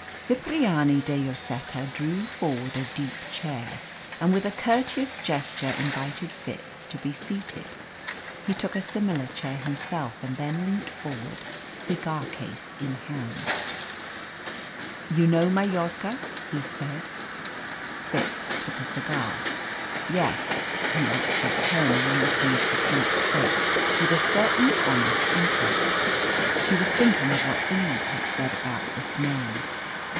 Cipriani de Lloseta drew forward a deep chair, and with a courteous gesture invited Fitz to be seated. He took a similar chair himself, and then leant forward, cigar case in hand. "You know Mallorca," he said. Fitz took a cigar. "Yes," he answered, turning and looking into the Count's face with a certain honest interest. He was thinking of what Eve had said about this man.